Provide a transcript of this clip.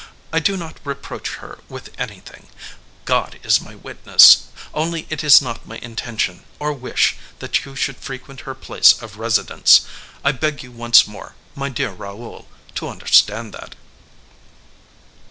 I do not reproach her with anything—God is my witness! only it is not my intention or wish that you should frequent her place of residence. I beg you once more, my dear Raoul, to understand that."